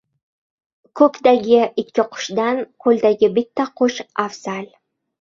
• Ko‘kdagi ikki qushdan qo‘ldagi bitta qush afzal.